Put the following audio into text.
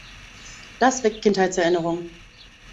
Das weckt Kinderheitserinnerungen.